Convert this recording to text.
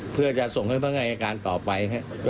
เพื่อจะส่งให้ภังไหยอาการต่อไป